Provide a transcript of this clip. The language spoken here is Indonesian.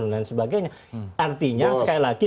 dan sebagainya artinya sekali lagi